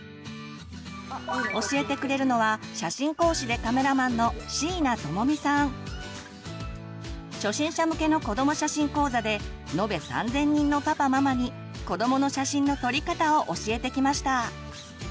教えてくれるのは初心者向けの子ども写真講座で延べ３，０００人のパパママに子どもの写真の撮り方を教えてきました。